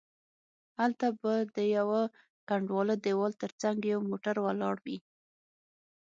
هلته به د یوه کنډواله دیوال تر څنګه یو موټر ولاړ وي.